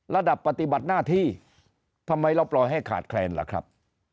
ระดับปฏิบัติหน้าที่ทำไมเราปล่อยให้ขาดแคลนล่ะครับ